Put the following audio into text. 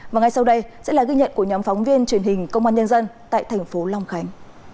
và ngay sau đây sẽ là ghi nhận của nhóm phóng viên truyền hình công an nhân dân tại thành phố long khánh